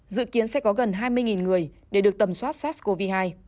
dự kiến sẽ có gần hai mươi người để được tầm soát sars cov hai